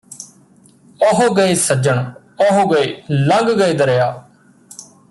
ਔਹ ਗਏ ਸੱਜਣ ਔਹ ਗਏ ਲੰਘ ਗਏ ਦਰਿਆ